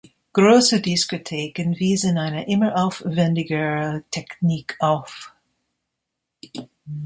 Große Diskotheken wiesen eine immer aufwändigere Technik auf.